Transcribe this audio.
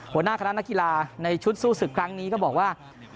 หัวหน้าคณะนักกีฬาในชุดสู้ศึกครั้งนี้ก็บอกว่า